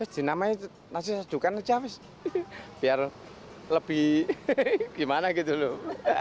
di namanya nasi sadukan aja biar lebih gimana gitu loh